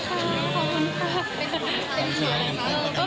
ขอบคุณครับ